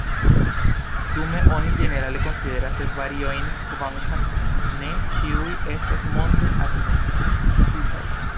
Sume oni ĝenerale konsideras ses variojn, kvankam ne ĉiuj estas monde agnoskitaj.